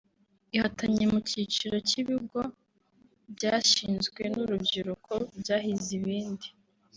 Ihatanye mu cyiciro cy’ibigo byashinzwe n’urubyiruko byahize ibindi